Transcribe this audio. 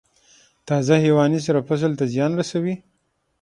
تازه حیواني سره فصل ته زیان رسوي؟